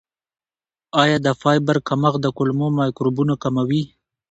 آیا د فایبر کمښت د کولمو میکروبونه کموي؟